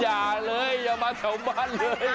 อย่าเลยอย่ามาแถวบ้านเลย